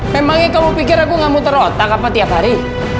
memangnya kamu pikir aku gak mau terotak apa tiap hari